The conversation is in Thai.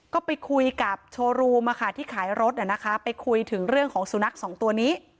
ก็ไปคุยกับโชว์รูมที่ขายรถไปคุยถึงเรื่องของสุนัขสองตัวนี้